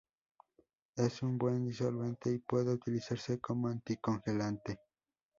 Es un buen disolvente, y puede utilizarse como anticongelante.